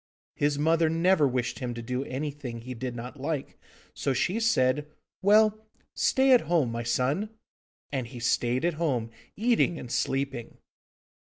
His mother never wished him to do anything he did not like, so she said: 'Well, stay at home, my son.' And he stayed at home, eating and sleeping.